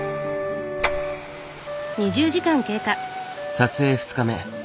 撮影２日目。